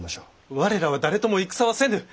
我らは誰とも戦はせぬ！